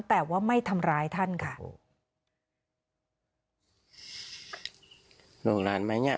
แต่ว่าไม่ทำร้ายท่านค่ะ